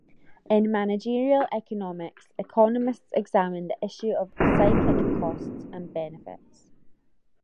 In managerial economics, economists examine the issue of psychic costs and benefits.